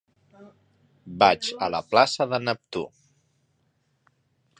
Vaig a la plaça de Neptú.